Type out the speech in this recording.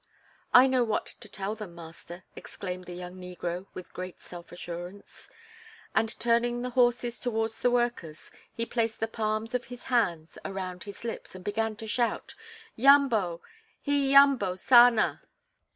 "I know what to tell them, master," exclaimed the young negro with great self assurance. And turning the horses towards the workers, he placed the palms of his hands around his lips and began to shout: "Yambo, he yambo sana!"